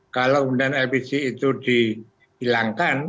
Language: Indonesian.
kalau kemudian lpg itu dihilangkan